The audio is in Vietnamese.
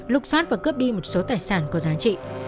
lục phát và cướp đi một số tài sản có giá trị